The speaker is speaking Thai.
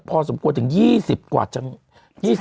พอสมควรถึง๒๐กว่าจังหวัด